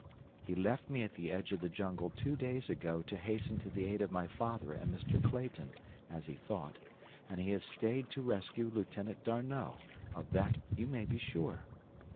"He left me at the edge of the jungle two days ago to hasten to the aid of my father and Mr. Clayton, as he thought, and he has stayed to rescue Lieutenant D'Arnot; of that you may be sure.